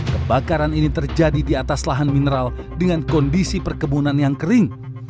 kebakaran ini terjadi di atas lahan mineral dengan kondisi perkebunan yang kering